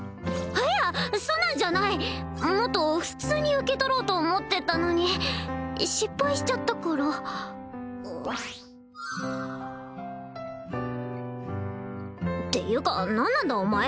いやそんなんじゃないもっと普通に受け取ろうと思ってたのに失敗しちゃったからっていうか何なんだお前